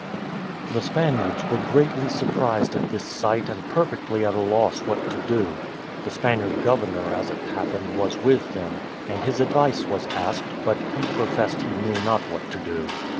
The Spaniards were greatly surprised at this sight and perfectly at a loss what to do. The Spaniard governor, as it happened, was with them, and his advice was asked, but he professed he knew not what to do.